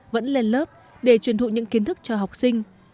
vẫn lên lớp để truyền thụ những kiến thức cho học sinh